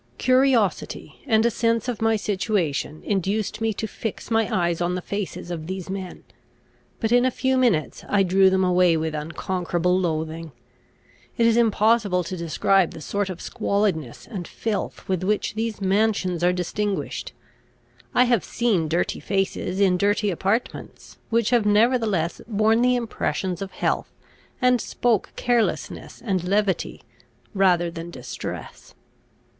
Curiosity, and a sense of my situation, induced me to fix my eyes on the faces of these men; but in a few minutes I drew them away with unconquerable loathing. It is impossible to describe the sort of squalidness and filth with which these mansions are distinguished. I have seen dirty faces in dirty apartments, which have nevertheless borne the impression of health, and spoke carelessness and levity rather than distress.